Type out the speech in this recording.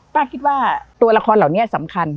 ป้าคิดว่าตัวละครเหล่านี้สำคัญ